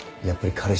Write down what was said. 彼氏！